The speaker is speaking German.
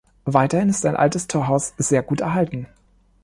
Weiterhin ist ein altes Torhaus sehr gut erhalten.